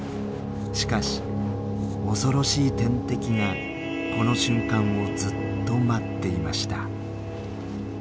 しかし恐ろしい天敵がこの瞬間をずっと待っていました。